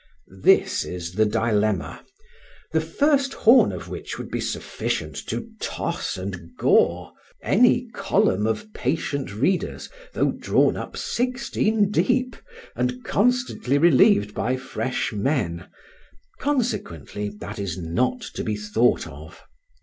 This is the dilemma, the first horn of which would be sufficient to toss and gore any column of patient readers, though drawn up sixteen deep and constantly relieved by fresh men; consequently that is not to be thought of.